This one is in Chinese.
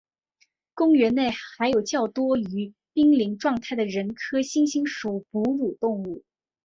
公园内还有较多处于濒危状态的人科猩猩属哺乳动物。